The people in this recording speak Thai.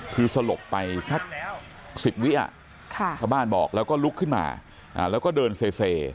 คือสลบไปสัก๑๐วิชาวบ้านบอกแล้วก็ลุกขึ้นมาแล้วก็เดินเซ